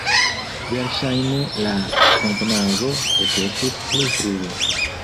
Verŝajne la komponaĵo ekestis pli frue.